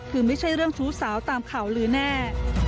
คือไม่ใช่เรื่องชู้สาวตามข่าวลือแน่